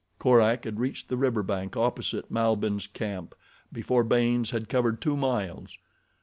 Korak had reached the river bank opposite Malbihn's camp before Baynes had covered two miles.